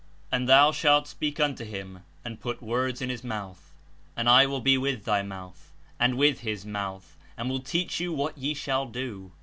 ''And thou shalt speak unto him, and put words in his mouth: and I will be with thy mouth, and zdth his mouth, and will teach you what ye shall do.